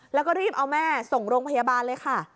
แล้วก็รีบเอาแม่ส่งโรงพยาบาลเลยค่ะ